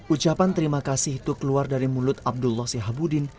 ucapan terima kasih itu keluar dari mulut abdullah sihabudin